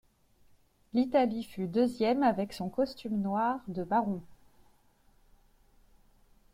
L’Italie fut deuxième avec son costume noir de Baron.